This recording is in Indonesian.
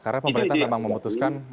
karena pemerintah memang memutuskan